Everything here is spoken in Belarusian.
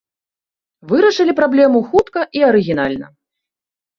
Вырашылі праблему хутка і арыгінальна.